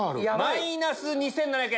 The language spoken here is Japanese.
マイナス２７００円。